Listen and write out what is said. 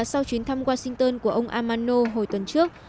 sau chuyến thăm washington của ông amano hồi tuần trước